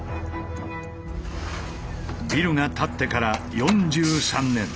ビルが建ってから４３年。